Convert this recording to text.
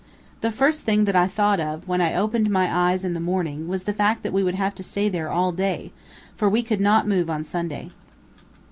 The first thing that I thought of, when I opened my eyes in the morning, was the fact that we would have to stay there all day, for we could not move on Sunday.